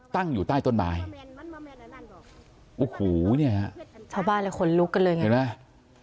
ตั้งอยู่ใต้ต้นไม้โอ้โหเนี่ยฮะชาวบ้านเลยขนลุกกันเลยไงเห็นไหม